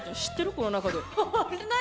この中で。